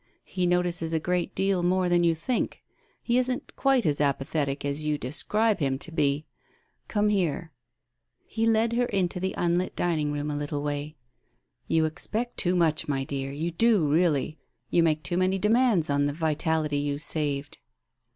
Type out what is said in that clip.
He notices a great deal more than you think. He isn't quite «as apathetic as you describe him to be. ... Come here !" He led her int£> the unlit dining room a little way. " You Digitized by Google i2 4 TALES OF THE UNEASY expect too much, my dear. You do really ! You make too many demands on the vitality you saved."